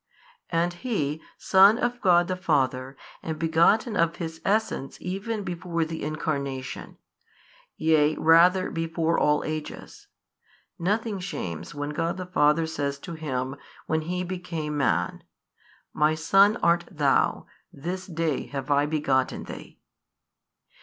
And He, Son of God the Father and |548 begotten of His Essence even before the Incarnation, yea rather before all ages, nothing shames when God the Father says to Him when He became Man, My Son art THOU, this day have I begotten Thee.